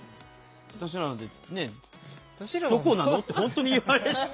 私らなんて「どこなの？」って本当に言われちゃう。